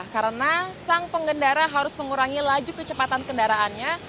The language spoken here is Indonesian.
karena sang penggendara harus mengurangi laju kecepatan kendaraannya